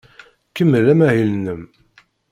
Kemmel amahil-nnem.